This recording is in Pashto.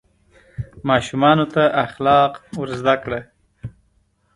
ماشومانو ته اخلاق ور زده کړه.